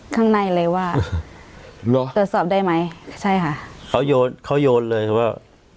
ข้างในเลยว่าเหรอตรวจสอบได้ไหมใช่ค่ะเขาโยนเขาโยนเลยคือว่า